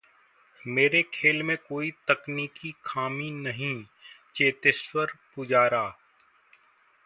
मेरे खेल में कोई तकनीकी खामी नहीं: चेतेश्वर पुजारा